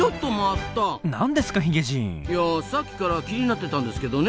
いやさっきから気になってたんですけどね